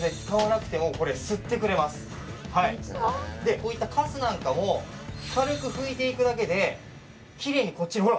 こういったカスなんかも軽く拭いていくだけできれいにこっちにほら！